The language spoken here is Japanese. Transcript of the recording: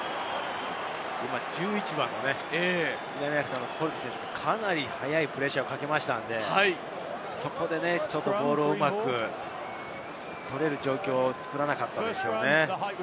１１番のコルビ選手がかなり早いプレッシャーをかけましたので、そこでちょっとボールをうまく取れる状況を作らなかったですね。